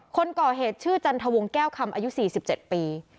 คนก่อเหตุชื่อจันทวงแก้วคำอายุ๔๗ปี